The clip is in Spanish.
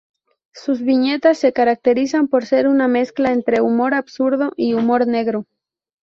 Sus viñetas se caracterizan por ser una mezcla entre humor absurdo y humor negro.